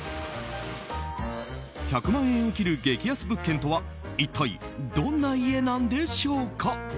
１００万円を切る激安物件とは一体どんな家なんでしょうか。